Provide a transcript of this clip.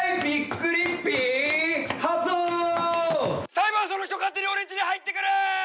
「裁判所の人勝手に俺んちに入ってくる」でした！